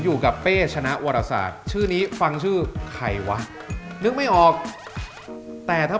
อยู่กับเป้ชนะวรษาทชื่อนี้ฟังชื่อใครวะนึกไม่ออกแต่ถ้า